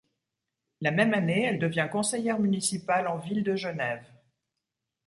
La même année, elle devient conseillère municipale en ville de Genève.